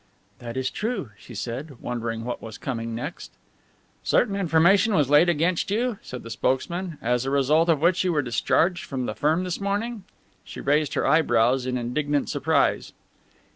"That is true," she said, wondering what was coming next. "Certain information was laid against you," said the spokesman, "as a result of which you were discharged from the firm this morning?" She raised her eyebrows in indignant surprise.